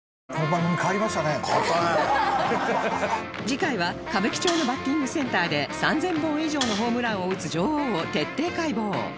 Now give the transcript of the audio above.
次回は歌舞伎町のバッティングセンターで３０００本以上のホームランを打つ女王を徹底解剖